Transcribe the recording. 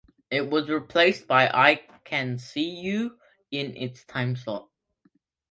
It was replaced by "I Can See You" in its timeslot.